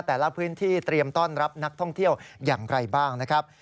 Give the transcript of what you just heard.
แต่ละพื้นที่เตรียมต้อนรับนักท่องเที่ยวอย่างไรบ้างนะครับ